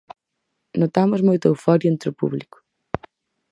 Notamos moita euforia entre o público.